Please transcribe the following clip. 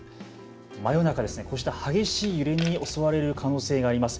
真夜中、激しい揺れに襲われる可能性があります。